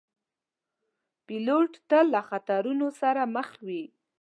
پیلوټ تل له خطرونو سره مخ وي.